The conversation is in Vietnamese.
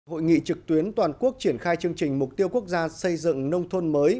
hội nghị trực tuyến toàn quốc triển khai chương trình mục tiêu quốc gia xây dựng nông thôn mới